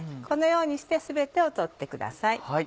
このようにして全てを取ってください。